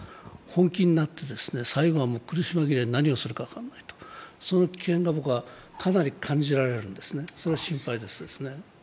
本気になって最後は苦し紛れで何をするか分からないと、その危険がかなり感じられるんですね、それは心配ですね。